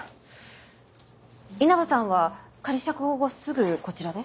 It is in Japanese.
稲葉さんは仮釈放後すぐこちらで？